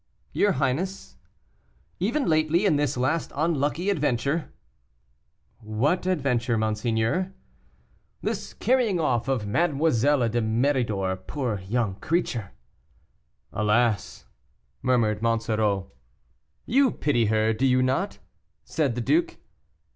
"Your highness " "Even lately, in this last unlucky adventure " "What adventure, monseigneur?" "This carrying off of Mademoiselle de Méridor poor young creature!" "Alas!" murmured Monsoreau. "You pity her, do you not?" said the duke.